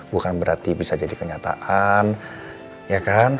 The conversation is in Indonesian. bukan berarti bisa jadi kenyataan